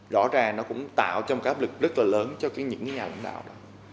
rõ ràng nó cũng tạo trong cái áp lực rất là lớn cho những nhà lãnh đạo đó